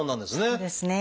そうですね。